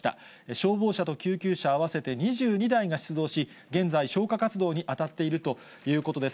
消防車と救急車合わせて２２台が出動し、現在、消火活動に当たっているということです。